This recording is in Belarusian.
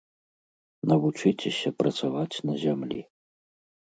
Навучыцеся працаваць на зямлі.